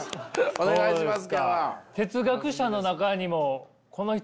お願いします。